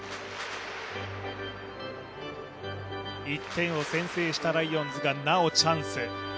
１点を先制したライオンズが、なおチャンス。